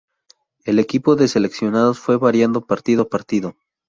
El equipo de seleccionados fue variando partido a partido.